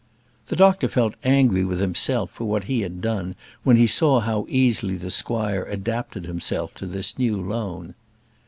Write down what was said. The doctor felt angry with himself for what he had done when he saw how easily the squire adapted himself to this new loan.